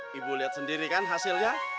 ibu lihat sendiri kan hasilnya